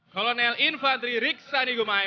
kolonel infantri riksanigumai